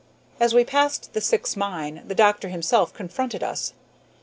As we passed the Syx mine the doctor himself confronted us.